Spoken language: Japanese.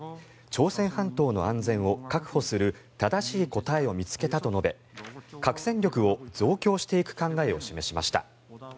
朝鮮半島の安全を確保する正しい答えを見つけたと述べ核戦力を増強していく考えを示しました。